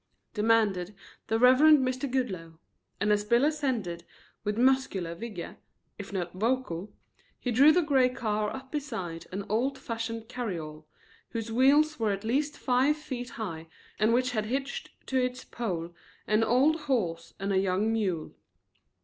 demanded the Reverend Mr. Goodloe; and as Bill assented with muscular vigor, if not vocal, he drew the gray car up beside, an old fashioned carryall, whose wheels were at least five feet high and which had hitched to its pole an old horse and a young mule.